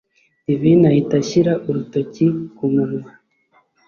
divine ahita ashyira urutoki kumunwa,